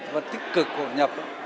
và tích cực hội nhập